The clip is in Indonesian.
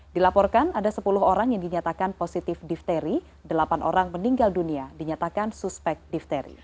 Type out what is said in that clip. dilaporkan ada sepuluh orang yang dinyatakan positif difteri delapan orang meninggal dunia dinyatakan suspek difteri